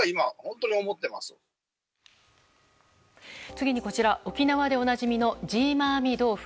次に、こちら沖縄でおなじみのジーマーミ豆腐。